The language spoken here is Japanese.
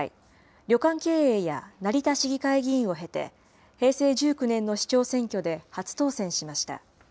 旅館経営や成田市議会議員を経て、平成１９年の市長選挙で初当選しました。